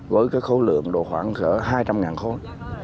với cái khối lượng khoảng hai trăm linh khối